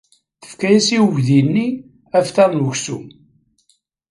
Tefka-as i uydi-nni aftar n uksum.